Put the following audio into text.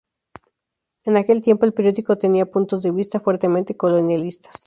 En aquel tiempo el periódico tenía puntos de vista fuertemente colonialistas.